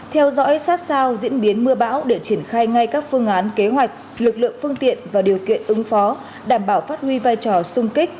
theo dõi sát sao diễn biến mưa bão để triển khai ngay các phương án kế hoạch lực lượng phương tiện và điều kiện ứng phó đảm bảo phát huy vai trò sung kích